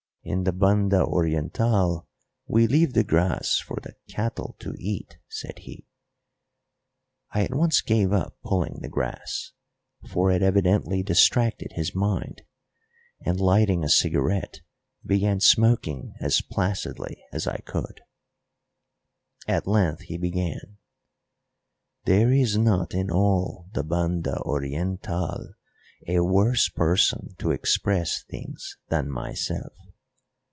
"In the Banda Orientál we leave the grass for the cattle to eat," said he. I at once gave up pulling the grass, for it evidently distracted his mind, and, lighting a cigarette, began smoking as placidly as I could. At length he began: "There is not in all the Banda Orientál a worse person to express things than myself."